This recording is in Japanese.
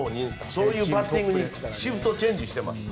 そういうバッティングにシフトチェンジしてます。